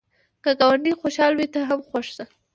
که ګاونډی خوشحال وي، ته هم خوښ شه